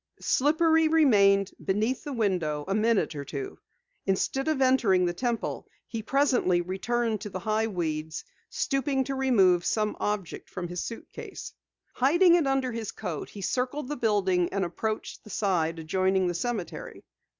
Slippery remained beneath the window a minute or two. Instead of entering the Temple, he presently returned to the high weeds, stooping to remove some object from his suitcase. Hiding it under his coat, he circled the building and approached the side adjoining the cemetery.